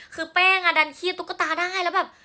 คือแป้งน่ะดันบะตายได้แล้วแบบ